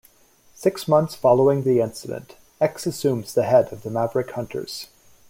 Six months following the incident, X assumes the head of the Maverick Hunters.